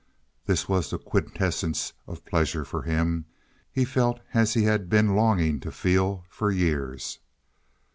This was the quintessence of pleasure for him. He felt as he had been longing to feel for years.